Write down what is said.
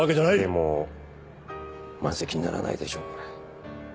でも満席にならないでしょうこれ。